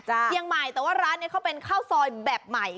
เชียงใหม่แต่ว่าร้านนี้เขาเป็นข้าวซอยแบบใหม่